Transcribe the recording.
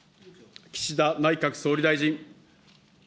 岸田内閣総理大臣。